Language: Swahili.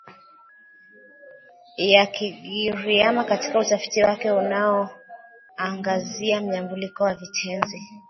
ya Kigiriama katika utafiti wake unaoangazia mnyambuliko wa vitenzi